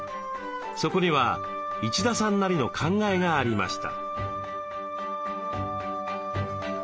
そこには一田さんなりの考えがありました。